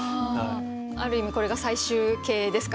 ある意味これが最終形ですか？